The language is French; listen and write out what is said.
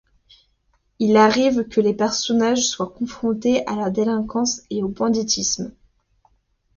Il arrive que les personnages soient confrontés à la délinquance et au banditisme.